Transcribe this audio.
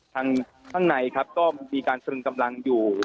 ข้างในครับก็มีการตรึงกำลังอยู่